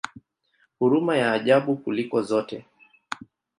Huruma ya ajabu kuliko zote!